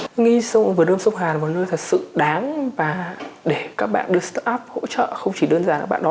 tôi nghĩ vườn đôm sông hàn là một nơi thật sự đáng và để các bạn đưa start up hỗ trợ không chỉ đơn giản các bạn đó